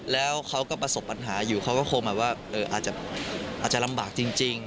แล้วเขาก็ประสบปัญหาอยู่เขาก็คงแบบว่าอาจจะลำบากจริง